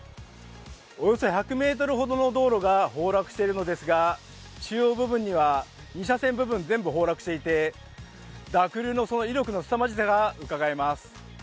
およそ１００ｍほどの道路が崩落しているのですが中央部分には、２車線部分全部崩落していて濁流の威力のすさまじさがうかがえます。